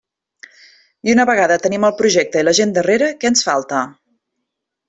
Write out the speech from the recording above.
I una vegada tenim el projecte i la gent darrere, ¿què ens falta?